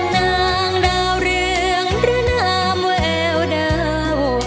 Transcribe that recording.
นางดาวเรืองหรือนามแววดาว